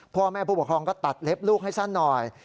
พ่อแม่ผู้ปกครองก็ตัดเล็บลูกให้สั้นหน่อย